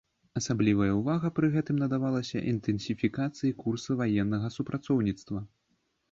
Асаблівая ўвага пры гэтым надавалася інтэнсіфікацыі курса ваеннага супрацоўніцтва.